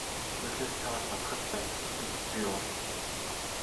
Болиоч чамаас залхаж байна шүү гэж би уурлав.